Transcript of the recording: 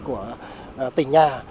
ở tỉnh nhà